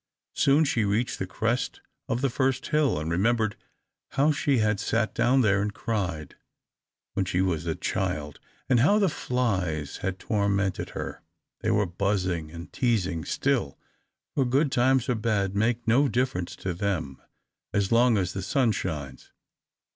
Soon she reached the crest of the first hill, and remembered how she had sat down there and cried, when she was a child, and how the flies had tormented her. They were buzzing and teasing still; for good times or bad make no difference to them, as long as the sun shines.